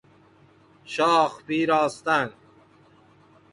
شاخ پیراستن